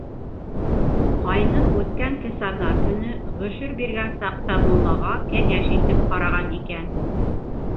— Ҡайным үткән кесаҙна көнө ғөшөр биргән саҡта муллаға кәңәш итеп ҡараған икән.